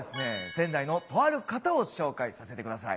仙台のとある方を紹介させてください。